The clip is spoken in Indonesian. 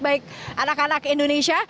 baik anak anak indonesia